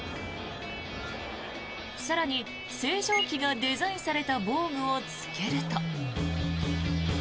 更に、星条旗がデザインされた防具をつけると。